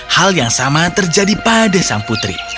hal yang sama terjadi pada sang putri